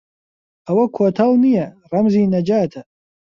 ئەوە کۆتەڵ نییە ڕەمزی نەجاتە